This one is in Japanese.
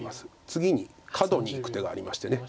次にカドにいく手がありまして。